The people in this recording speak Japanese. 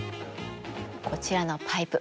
こちらのパイプ。